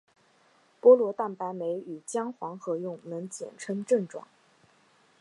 菠萝蛋白酶与姜黄合用能减轻症状。